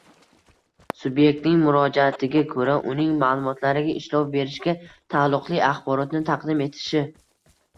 subyektning murojaatiga ko‘ra uning ma’lumotlariga ishlov berishga taalluqli axborotni taqdim etishi;